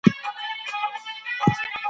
ایا شراب په غم کي ګټه لري؟